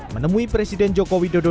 menemui presiden jokowi dodo